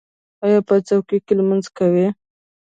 ایا په چوکۍ لمونځ کوئ؟